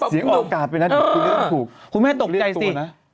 เสียงออกอากาศไปนะคุณไม่ได้ตกใจสิ